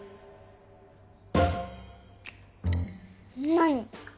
何？